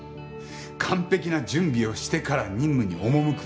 完璧な準備をしてから任務に赴く。